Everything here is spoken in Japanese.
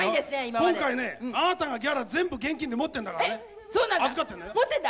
今回ねあなたがギャラ全部現金で持ってんだからねそうなんだ？